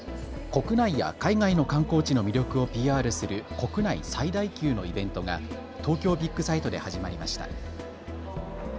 国内や海外の観光地の魅力をＰＲする国内最大級のイベントが東京ビッグサイトで始まりました。